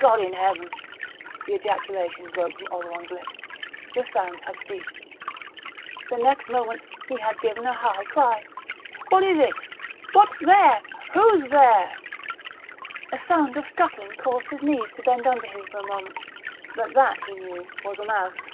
"God in Heaven!" The ejaculation broke from Oleron's lips. The sound had ceased. The next moment he had given a high cry. "What is it? What's there? Who's there?" A sound of scuttling caused his knees to bend under him for a moment; but that, he knew, was a mouse.